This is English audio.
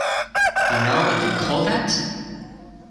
You know what they call that?